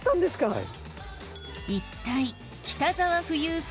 はい。